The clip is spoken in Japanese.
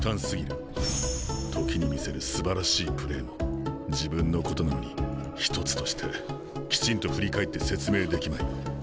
時に見せるすばらしいプレーも自分のことなのに一つとしてきちんと振り返って説明できまい。